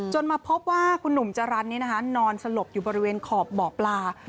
จนมาพบว่าคุณหนุ่มจารันนี่นะคะนอนสลบอยู่บริเวณขอบบ่อปลา